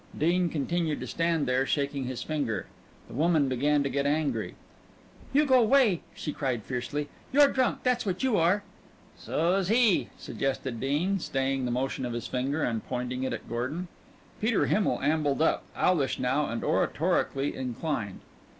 Dean continued to stand there shaking his finger. The woman began to get angry. "You go way!" she cried fiercely. "You're drunk, that's what you are!" "So's he," suggested Dean, staying the motion of his finger and pointing it at Gordon. Peter Himmel ambled up, owlish now and oratorically inclined.